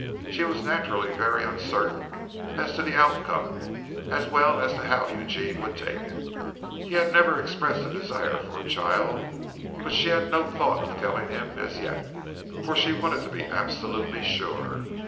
She was naturally very uncertain as to the outcome as well as to how Eugene would take it. He had never expressed a desire for a child, but she had no thought of telling him as yet, for she wanted to be absolutely sure.